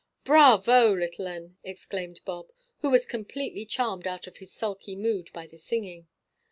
"Bravo, little 'un," exclaimed Bob, who was completely charmed out of his sulky mood by the singing.